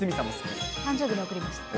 誕生日に贈りました。